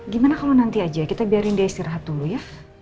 gimana kalau nanti aja kita biarin dia istirahat dulu ya